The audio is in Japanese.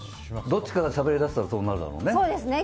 どっちかがしゃべりだしたらそうなるだろうね。